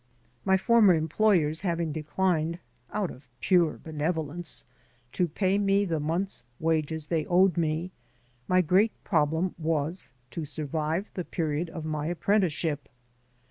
My former 142 SHIRTS AND PHILOSOPHY employers having declined (out of pure benevolence) to pay me the month's wages they owed me, my great problem was to survive the period of my apprentice ship.